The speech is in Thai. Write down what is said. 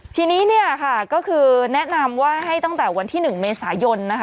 ทีนี้เนี่ยค่ะก็คือแนะนำว่าให้ตั้งแต่วันที่๑เมษายนนะคะ